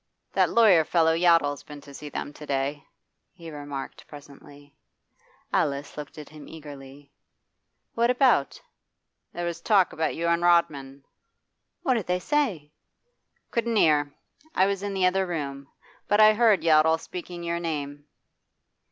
'That lawyer fellow Yottle's been to see them to day,' he remarked presently. Alice looked at him eagerly. 'What about?' 'There was talk about you and Rodman.' 'What did they say?' 'Couldn't hear. I was in the other room. But I heard Yottle speaking your name.